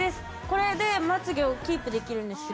これでまつげをキープできるんです。